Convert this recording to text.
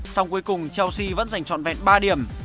xong cuối cùng chelsea vẫn giành trọn vẹn ba điểm